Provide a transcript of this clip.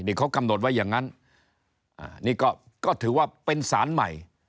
นี่เขากำหนดไว้อย่างนั้นนี่ก็ถือว่าเป็นสารใหม่